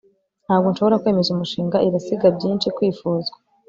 ntabwo nshobora kwemeza umushinga irasiga byinshi kwifuzwa